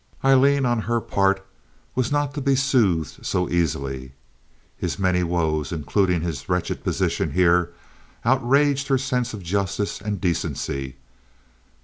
Aileen on her part was not to be soothed so easily. His many woes, including his wretched position here, outraged her sense of justice and decency.